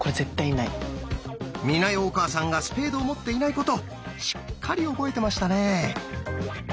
美奈代お母さんがスペードを持っていないことしっかり覚えてましたね。